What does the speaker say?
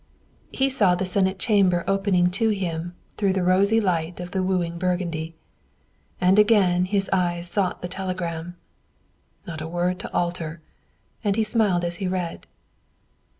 He saw the Senate chamber opening to him, through the rosy light of the wooing Burgundy. And again his eye sought the telegrams. "Not a word to alter," and he smiled as he read.